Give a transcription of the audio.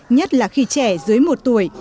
nhất là khi trẻ dưới một tuổi